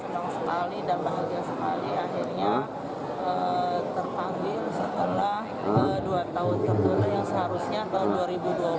senang sekali dan bahagia sekali akhirnya terpanggil setelah dua tahun tertentu yang seharusnya tahun dua ribu dua puluh